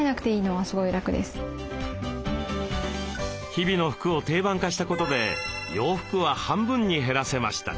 日々の服を定番化したことで洋服は半分に減らせました。